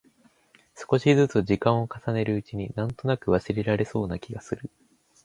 少しづつ時間を重ねるうちに、なんとなく忘れられそうな気がする。